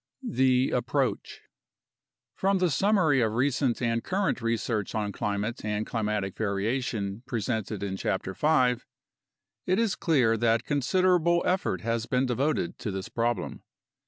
THE APPROACH From the summary of recent and current research on climate and climatic variation presented in Chapter 5, it is clear that considerable effort has been devoted to this problem.